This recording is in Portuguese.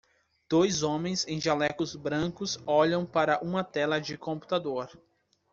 Dois homens em jalecos brancos olham para uma tela de computador